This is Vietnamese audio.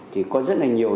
thì có rất là nhiều